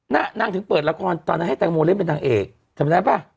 นางถึงเปิดละครตอนนั้นให้แตงโมเล่นเป็นนางเอกจำได้ป่ะ